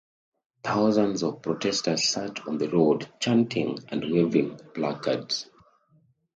Thousands of protesters sat on the road, chanting and waving placards.